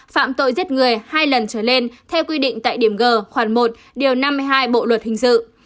phạm tội giết người hai lần trở lên theo quy định tại điểm g khoản một điều năm mươi hai bộ luật hình sự